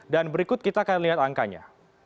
dan berikut kita akan lihat angkanya